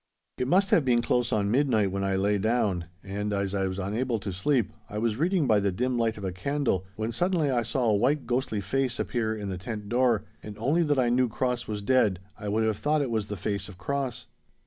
It must have been close on midnight when I lay down, and, as I was unable to sleep, I was reading by the dim light of a candle when suddenly I saw a white ghostly face appear in the tent door, and only that I knew Cross was dead I would have thought it was the face of Cross.